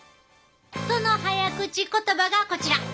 その早口言葉がこちら！